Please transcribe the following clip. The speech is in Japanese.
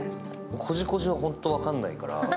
コジコジはホント、分かんないから。